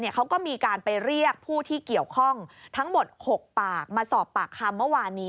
เขาก็มีการไปเรียกผู้ที่เกี่ยวข้องทั้งหมด๖ปากมาสอบปากคำเมื่อวานนี้